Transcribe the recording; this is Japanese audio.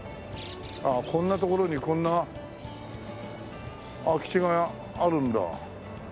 こんな所にこんな空き地があるんだ。